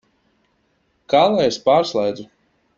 Kā lai es pārslēdzu?